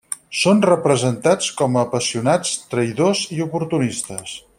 Són representats com apassionats, traïdors i oportunistes.